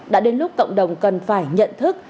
đã đến lúc cộng đồng cần phải nhận thức